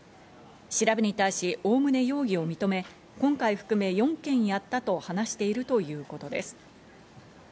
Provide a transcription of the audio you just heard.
調べに対し、おおむね容疑を認め、今回含め４件やったと話しているということです。